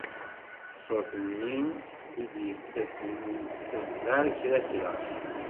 Ṣṣut-nni i d-yettasen yettezdar kra kra.